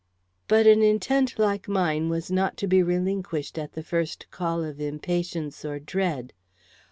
But an intent like mine was not to be relinquished at the first call of impatience or dread.